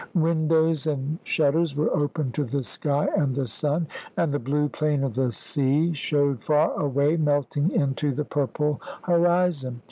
Windows and shutters were open to the sky and the sun, and the blue plane of the sea showed far away melting into the purple horizon.